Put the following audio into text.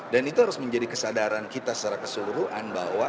dan itu harus menjadi kesadaran kita secara keseluruhan bahwa